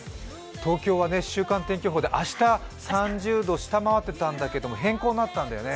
東京は週間天気予報で明日３０度下回ってたんだけど変更になったんだよね